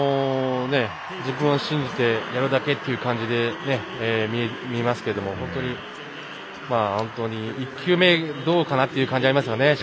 自分を信じてやるだけという感じに見えますけど本当に１球目、どうかなという感じありますよね。